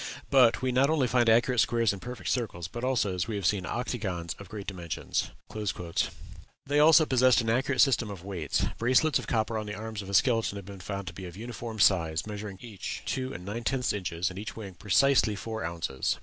But we not only find accurate squares and perfect circles, but also, as we have seen, octagons of great dimensions." They also possessed an accurate system of weights; bracelets of copper on the arms of a skeleton have been found to be of uniform size, measuring each two and nine tenth inches, and each weighing precisely four ounces.